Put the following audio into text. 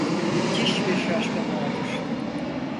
Müthiş bir şaşkınlığa düştü.